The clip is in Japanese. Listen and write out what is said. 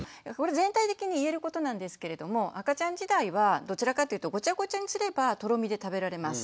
全体的に言えることなんですけれども赤ちゃん時代はどちらかというとごちゃごちゃにすればとろみで食べられます。